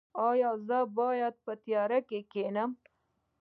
ایا زه باید په تیاره کې کینم؟